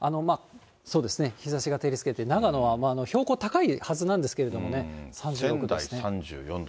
そうですね、日ざしが照りつけて、長野は標高高いはずなんですけれどもね、３６度ですね。